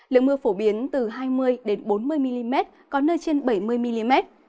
lượng mưa phổ biến từ hai mươi bốn mươi mm có nơi trên bảy mươi mm